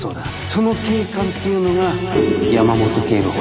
その警官っていうのが山本警部補だ。